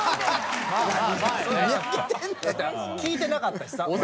聞いてなかったしさ俺。